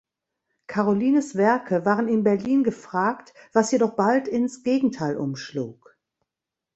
Carolines Werke waren in Berlin gefragt, was jedoch bald ins Gegenteil umschlug.